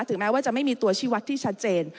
แม้ว่าจะไม่มีตัวชีวัตรที่ชัดเจน